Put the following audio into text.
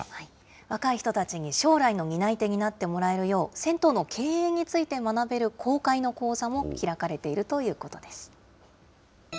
若い人たちに将来の担い手になってもらえるよう、銭湯の経営について学べる公開の講座も開かれているということです。